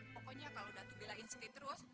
pokoknya kalau datuk belain siti terus